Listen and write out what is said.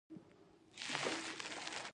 که ته د خاموشۍ په عالم کې تم شوې يې.